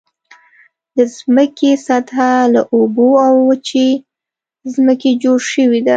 د ځمکې سطحه له اوبو او وچې ځمکې جوړ شوې ده.